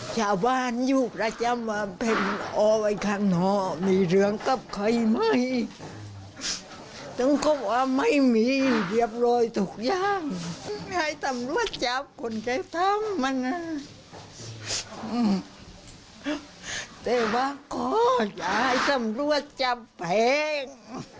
สั้นไทยทำมันอะแต่ว่าขออย้ายสำรวจจับแผง